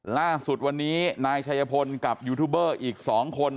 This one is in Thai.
ล่าสุดวันนี้นายชัยพลกับยูทูบเบอร์อีก๒คน